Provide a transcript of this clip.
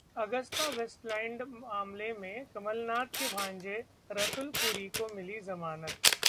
Agusta Westland मामले में कमलनाथ के भांजे रतुल पुरी को मिली जमानत